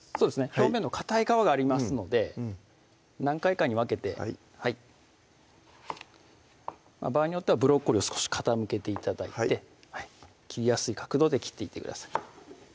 表面のかたい皮がありますので何回かに分けてはい場合によってはブロッコリーを少し傾けて頂いて切りやすい角度で切っていってください